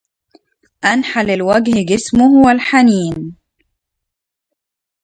أنحل الوجد جسمه والحنين